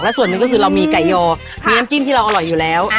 ส่วนหนึ่งก็คือเรามีไก่ยอมีน้ำจิ้มที่เราอร่อยอยู่แล้ว